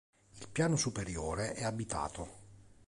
Il piano superiore è abitato.